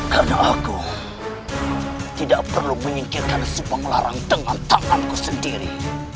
karena aku tidak perlu menyingkirkan subang larang dengan tanganku sendiri